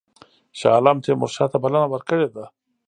شاه عالم تیمورشاه ته بلنه ورکړې ده.